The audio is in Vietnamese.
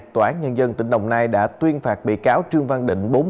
tòa án nhân dân tỉnh đồng nai đã tuyên phạt bị cáo trương văn định